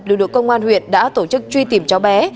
lực lượng công an huyện đã tổ chức truy tìm cháu bé